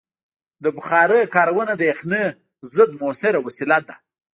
د بخارۍ کارونه د یخنۍ ضد مؤثره وسیله ده.